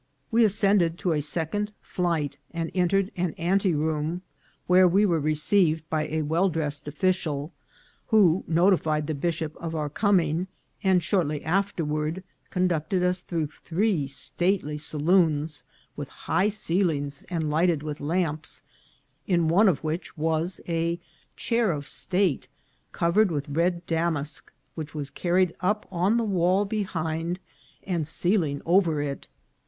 We ascended to a second flight, and entered an ante room, where we were received by a well dressed offi cial, who notified the bishop of our coming, and shortly ' THE BISHOP'S PALACE. 401 afterward conducted us through three stately saloons with high ceilings and lighted with lamps, in one of which was a chair of state covered with red damask, which was carried up on the wall behind and ceiling over it.